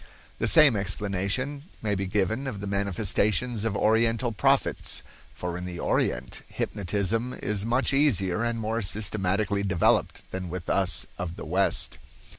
The same explanation may be given of the manifestations of Oriental prophets—for in the Orient hypnotism is much easier and more systematically developed than with us of the West.